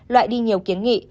loại đi nhiều kiến nghị